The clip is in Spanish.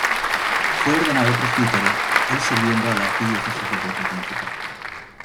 Fue ordenado presbítero el sirviendo a la arquidiócesis de Puerto Príncipe.